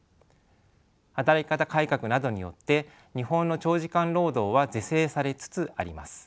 働き方改革などによって日本の長時間労働は是正されつつあります。